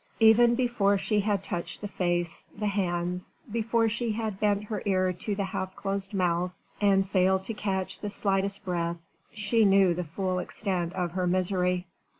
Even before she had touched the face, the hands, before she had bent her ear to the half closed mouth and failed to catch the slightest breath, she knew the full extent of her misery.